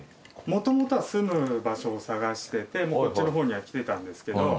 もともとは住む場所を探しててこっちの方には来てたんですけど。